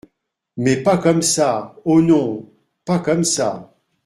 Mais pas comme ça ! oh ! non ! pas comme ça !